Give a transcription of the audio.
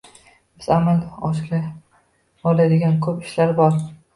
Biz amalga oshira oladigan ko‘p ishlar bor